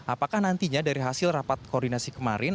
apakah nantinya dari hasil rapat koordinasi kemarin